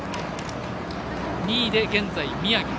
２位で現在、宮城。